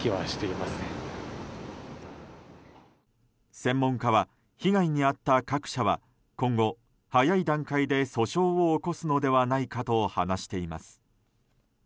専門家は被害に遭った各社は今後早い段階で訴訟を起こすのではないかと話しています。